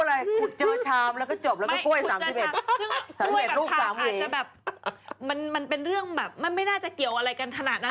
กล้วยแบบชามอาจจะแบบมันมันเป็นเรื่องแบบมันไม่น่าจะเกี่ยวอะไรกันขนาดนั้น